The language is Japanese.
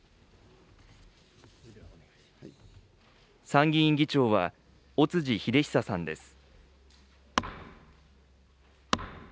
参議院議長は尾辻秀久さんです。